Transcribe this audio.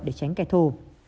để tránh kẻ thù